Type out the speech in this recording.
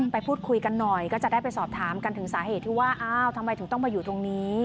ไปพูดคุยกันหน่อยก็จะได้ไปสอบถามกันถึงสาเหตุที่ว่าอ้าวทำไมถึงต้องมาอยู่ตรงนี้